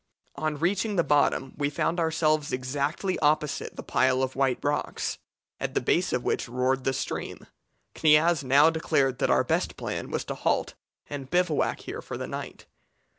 "On reaching the bottom we found ourselves exactly opposite the pile of white rocks, at the base of which roared the stream. Kniaz now declared that our best plan was to halt and bivouac here for the night.